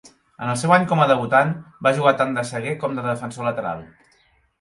En el seu any com a debutant, va jugar tant de saguer com de defensor lateral.